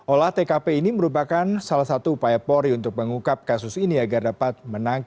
olah tkp ini merupakan salah satu upaya polri untuk mengungkap kasus ini agar dapat menangkap